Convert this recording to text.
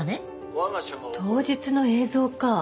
当日の映像か。